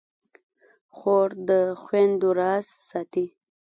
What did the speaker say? خور د خویندو راز ساتي.